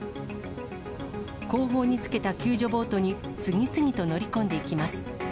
後方につけた救助ボートに次々と乗り込んでいきます。